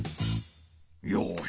よし！